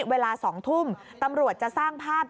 เวลา๒ทุ่มตำรวจจะสร้างภาพ